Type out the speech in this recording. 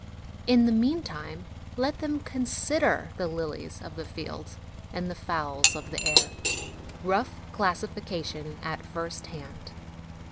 In the meantime, let them consider the lilies of the field and the fowls of the air. Rough Classification at First Hand.